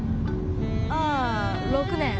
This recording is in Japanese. ああ６年。